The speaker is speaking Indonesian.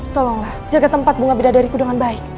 tolonglah jaga tempat bunga bidadariku dengan baik